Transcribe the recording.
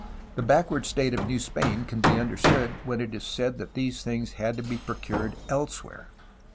The back ward state of New Spain can be understood when it is said that these things had to be procured elsewhere.